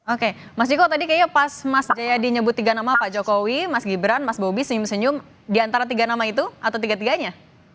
oke mas ciko tadi kayaknya pas mas jayadi nyebut tiga nama pak jokowi mas gibran mas bobi senyum senyum diantara tiga nama itu atau tiga tiganya